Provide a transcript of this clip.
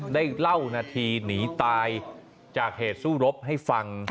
ได้เล่านาทีหนีตายจากเหตุสู้รบให้ฟัง